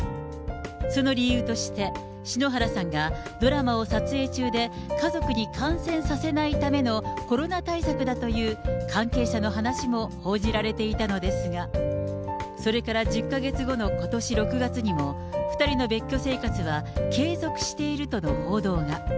その理由として、篠原さんがドラマを撮影中で家族に感染させないためのコロナ対策だという、関係者の話も報じられていたのですが、それから１０か月後のことし６月にも、２人の別居生活は継続しているとの報道が。